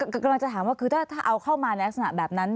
คือกำลังจะถามว่าคือถ้าเอาเข้ามาในลักษณะแบบนั้น